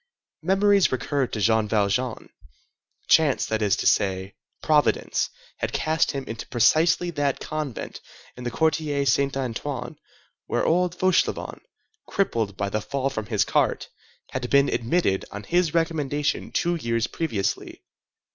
Memories recurred to Jean Valjean. Chance, that is to say, Providence, had cast him into precisely that convent in the Quartier Saint Antoine where old Fauchelevent, crippled by the fall from his cart, had been admitted on his recommendation two years previously.